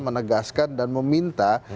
menegaskan dan meminta